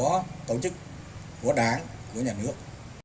và là một yêu cầu của tổ chức của đảng của nhà nước